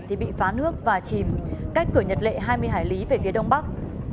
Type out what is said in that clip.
thì bị phá nước và chìm cách cửa nhật lệ hai mươi hải lý về phía đông bắc